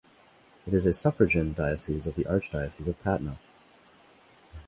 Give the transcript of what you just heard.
It is a suffragan diocese of the Archdiocese of Patna.